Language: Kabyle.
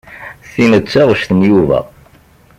Tin d taɣect n Yuba.